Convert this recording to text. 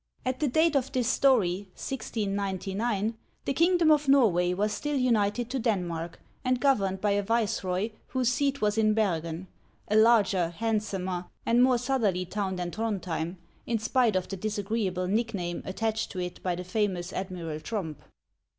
At the date of this story (1699) the kingdom of Norway was still united to Denmark, and governed by a viceroy whose seat was in Bergen, a larger, handsomer, and more southerly town than Throndhjem, in spite of the disagreeable nick name attached to it by the famous Admiral Tromp.